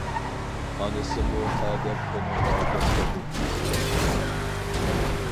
ئانىسىمۇ ھە دەپ ئۇنىڭغا گەپ قىلدى.